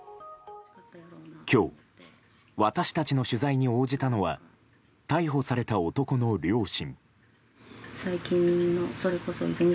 今日、私たちの取材に応じたのは、逮捕された男の両親。